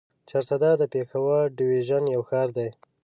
چارسده د پېښور ډويژن يو ښار دی.